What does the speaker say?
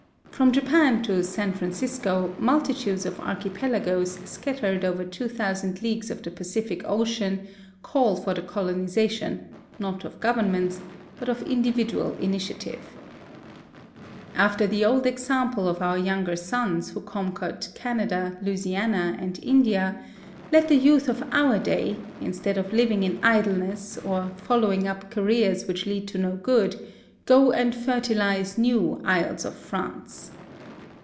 From Japan to San Fran cisco, multitudes of archipelagoes, scattered over two thousand leagues of the Pacific Ocean, call for the colonisation, not of Governments, but of individual initiative. isly. THE SUEZ CANAL. 89 After the old example of our younger sons who conquered Canada, Louisiana, and India, let the youth of our day, instead of living in idleness, or following up careers which lead to no good, go and fertilise new " Isles of France."